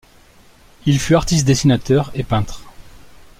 Il fut artiste dessinateur et peintre.